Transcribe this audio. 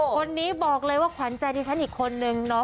คนนี้บอกเลยว่าขวัญใจดิฉันอีกคนนึงเนาะ